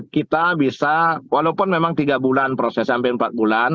kita bisa walaupun memang tiga bulan proses sampai empat bulan